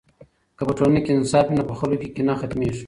که په ټولنه کې انصاف وي نو په خلکو کې کینه ختمېږي.